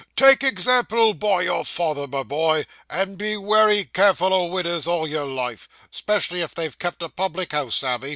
Take example by your father, my boy, and be wery careful o' widders all your life, 'specially if they've kept a public house, Sammy.